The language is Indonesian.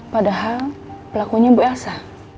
padahal pelakunya bu elsa